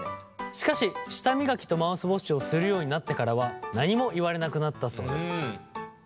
しかし舌磨きとマウスウォッシュをするようになってからは何も言われなくなったそうです。